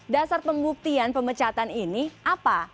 dasar pembuktian pemecatan ini apa